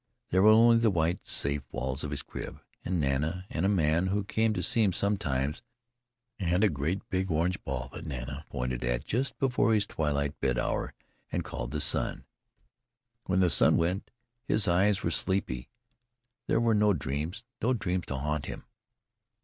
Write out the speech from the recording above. There were only the white, safe walls of his crib and Nana and a man who came to see him sometimes, and a great big orange ball that Nana pointed at just before his twilight bed hour and called "sun." When the sun went his eyes were sleepy there were no dreams, no dreams to haunt him.